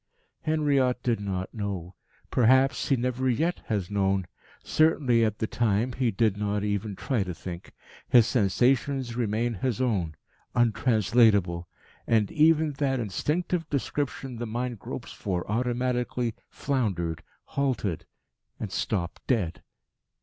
Henriot did not know. Perhaps he never yet has known. Certainly, at the time, he did not even try to think. His sensations remain his own untranslatable; and even that instinctive description the mind gropes for automatically, floundered, halted, and stopped dead.